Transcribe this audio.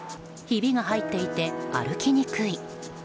ひびが入っていて歩きにくい。